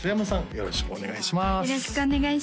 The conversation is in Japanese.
よろしくお願いします